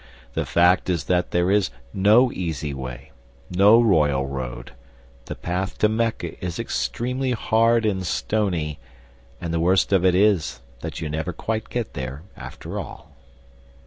The fact is that there is no easy way, no royal road. The path to Mecca is extremely hard and stony, and the worst of it is that you never quite get there after all.